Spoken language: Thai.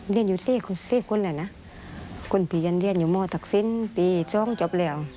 เรียนอยู่ที่คุณแหละนะคุณพี่ยังเรียนอยู่โมทักษิณปีสองจบแล้ว